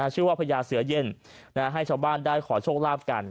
ชื่อว่าพญาเสือเย็นให้ชาวบ้านได้ขอโชคลาภกัน